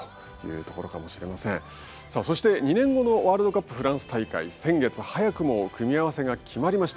さあそして２年後のワールドカップフランス大会先月早くも組み合わせが決まりました。